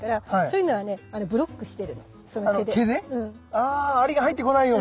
あアリが入ってこないように。